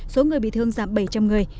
số người bị thương giảm bảy trăm linh người